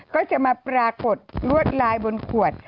ก็จะมาปรากฏลวดลายบนขวด